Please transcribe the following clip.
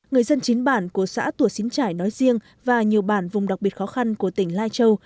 người dân chín bản của xã tùa xín trải nói riêng và nhiều bản vùng đặc biệt khó khăn của tỉnh lai châu